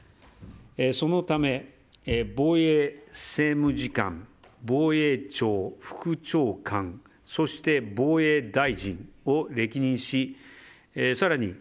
そのため、防衛政務次官防衛庁副長官そして防衛大臣を歴任し更に